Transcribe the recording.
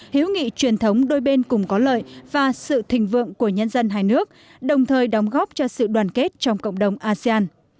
hiếu nghị truyền thống đôi bên cùng có lợi và sự thịnh vượng của nhân dân hai nước đồng thời đóng góp cho sự đoàn kết trong cộng đồng asean